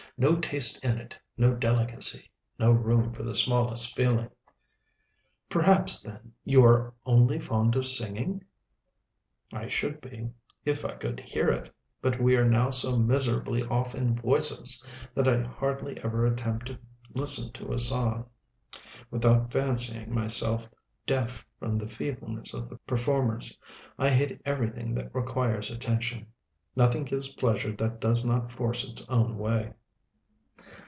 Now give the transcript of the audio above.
no taste in it, no delicacy, no room for the smallest feeling." "Perhaps, then, you are only fond of singing?" "I should be, if I could hear it; but we are now so miserably off in voices, that I hardly ever attempt to listen to a song, without fancying myself deaf from the feebleness of the performers. I hate everything that requires attention. Nothing gives pleasure that does not force its own way."